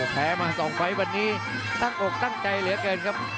แพร่มาสองไปวันนี้ตั้งอกตั้งใจเหลือเกินครับ